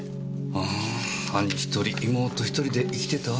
あぁ兄１人妹１人で生きてたわけか。